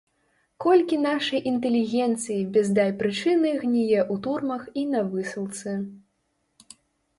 Колькі нашай інтэлігенцыі без дай прычыны гніе ў турмах і на высылцы!